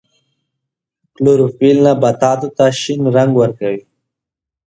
کلوروفیل نباتاتو ته شین رنګ ورکوي